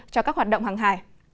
cho các hoạt động hàng hải